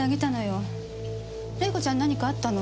礼子ちゃん何かあったの？